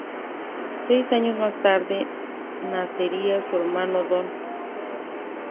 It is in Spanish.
Seis años más tarde, nacería su hermano, Don.